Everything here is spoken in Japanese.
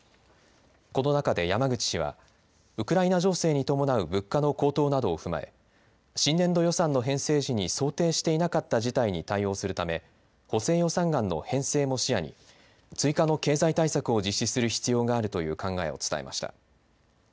この中で山口氏はウクライナ情勢に伴う物価の高騰などを踏まえ新年度予算の編成時に想定していなかった事態に対応するため補正予算案の編成も視野に追加の経済対策を実施する必要があるという考えを伝えました。